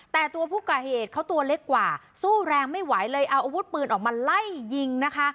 แต่ตัวผู้ก่อเหตุเขาตัวเล็กกว่าสู้แรงไม่ไหวเลยเอาอาวุธปืนออกมาไล่ยิงนะคะ